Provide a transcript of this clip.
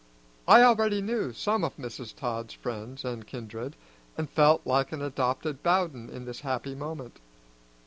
I already knew some of Mrs. Todd's friends and kindred, and felt like an adopted Bowden in this happy moment.